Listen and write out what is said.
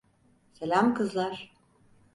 Selam kızlar.